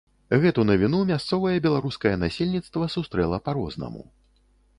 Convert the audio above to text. Гэту навіну мясцовае беларускае насельніцтва сустрэла па-рознаму.